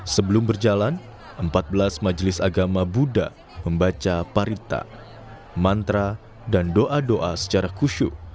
sebelum berjalan empat belas majelis agama buddha membaca parita mantra dan doa doa secara kusyuk